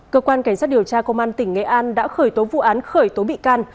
cơ quan cảnh sát điều tra công an tỉnh nghệ an đã khởi tố vụ án khởi tố bị can